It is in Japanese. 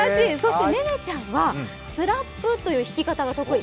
音寧ちゃんはスラップという弾き方が得意。